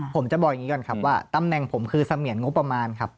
ผมจะบอกอย่างนี้ก่อนครับว่าตำแหน่งผมคือเสมียนงบประมาณครับ